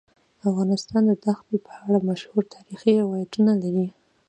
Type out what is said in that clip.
افغانستان د دښتې په اړه مشهور تاریخی روایتونه لري.